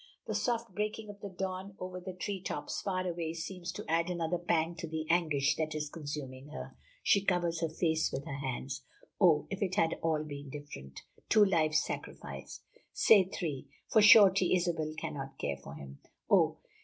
The soft breaking of the dawn over the tree tops far away seems to add another pang to the anguish that is consuming her. She covers her face with her hands. Oh! if it had all been different. Two lives sacrificed! nay, three! For surety Isabel cannot care for him. Oh!